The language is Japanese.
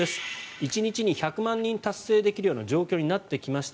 １日に１００万人達成できるような状況になってきました